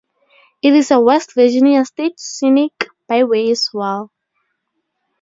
It is a West Virginia State Scenic Byway as well.